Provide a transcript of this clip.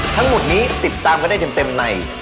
ทั้งหมดนี้ติดตามกันได้เต็มใน